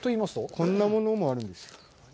こんなものもあるんです。